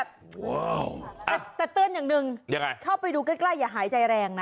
แต่เตือนอย่างหนึ่งยังไงเข้าไปดูใกล้อย่าหายใจแรงนะ